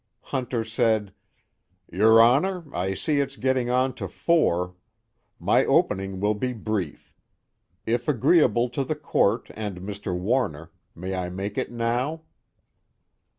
Hunter said: "Your Honor, I see it's getting on to four. My opening will be brief. If agreeable to the Court and Mr. Warner, may I make it now?"